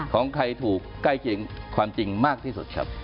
ของใครถูกใกล้เคียงความจริงมากที่สุดครับ